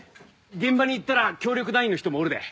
現場に行ったら協力団員の人もおるで。